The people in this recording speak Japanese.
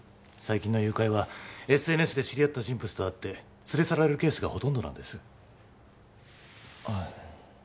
最近の誘拐はＳＮＳで知り合った人物と会って連れ去られるケースがほとんどなんですあ